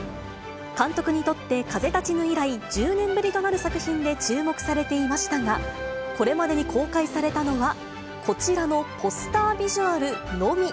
監督にとって風立ちぬ以来１０年ぶりとなる作品で、注目されていましたが、これまでに公開されたのは、こちらのポスタービジュアルのみ。